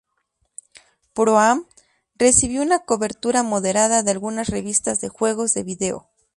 Pro-Am" recibió una cobertura moderada de algunas revistas de juegos de video.